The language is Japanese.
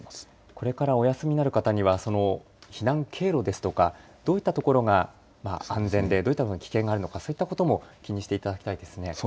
これからお休みになる方には避難経路ですとかどういった所が安全でどういった所に危険があるのかそういったことも気にしていただきたいですね。